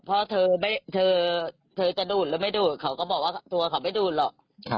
เพราะเธอจะดูดหรือไม่ดูดเขาก็บอกว่าตัวเขาไม่ดูดหรอก